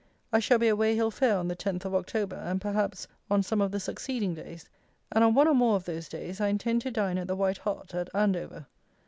I shall be at Weyhill fair on the 10th of October, and, perhaps, on some of the succeeding days; and, on one or more of those days, I intend to dine at the White Hart, at Andover.